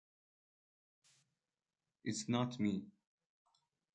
It’s not me.